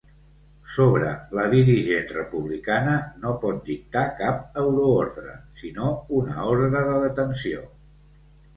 Sobre la dirigent republicana no pot dictar cap euroordre, sinó una ordre de detenció.